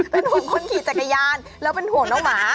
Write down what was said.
เป็นห่วงคนขี่จักรยานแล้วเป็นห่วงน้องหมา